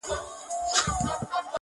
د زړه بازار د زړه کوگل کي به دي ياده لرم